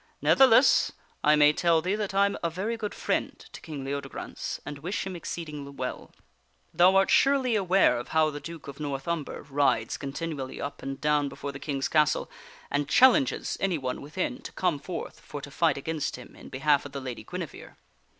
Ne'theless, I may tell thee that I am a very good friend to King Leodegrance and wish him exceeding well. Thou art surely aware of how the Duke of North Umber rides continually up and down before the King's castle, and challenges anyone within to come forth for to fight against him in behalf of the Lady Guinevere.